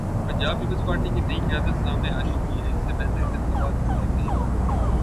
Punjab Peoples Party کی نئی قیادت سامنے آ چکی اس سے بہتر انتخاب ممکن نہیں تھا۔